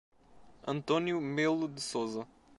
Antônio Melo de Souza